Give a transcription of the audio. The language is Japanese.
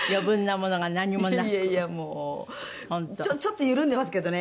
ちょっと緩んでますけどね。